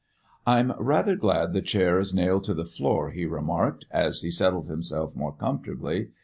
"I'm rather glad the chair is nailed to the floor," he remarked, as he settled himself more comfortably.